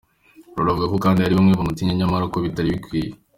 Laura avuga kandi ko hari bamwe bamutinya nyamara ngo bitari bikwiye.